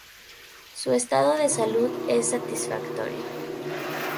Su estado de salud es satisfactorio.